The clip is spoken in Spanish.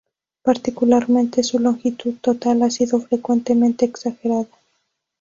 Particularmente su longitud total, ha sido frecuentemente exagerada.